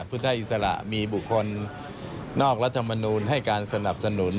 พุทธอิสระมีบุคคลนอกรัฐมนูลให้การสนับสนุน